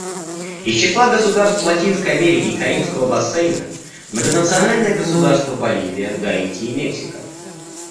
Из числа государств Латинской Америки и Карибского бассейна — Многонациональное Государство Боливия, Гаити и Мексика.